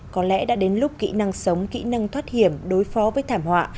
có lẽ đã đến lúc kỹ năng sống kỹ năng thoát hiểm đối phó với thảm họa